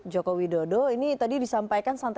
joko widodo ini tadi disampaikan